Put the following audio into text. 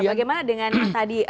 bagaimana dengan tadi